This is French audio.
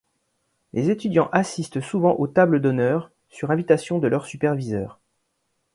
Les étudiants assistent souvent aux tables d’honneur sur invitation de leurs superviseurs.